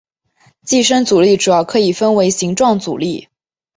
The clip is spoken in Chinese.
寄生阻力主要可以分为形状阻力。